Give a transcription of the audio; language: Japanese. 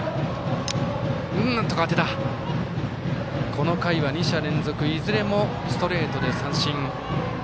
この回は２者連続いずれもストレートで三振。